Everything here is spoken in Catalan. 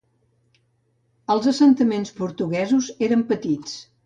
Els assentaments portuguesos eren petits.